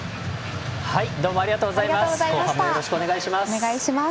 ありがとうございます。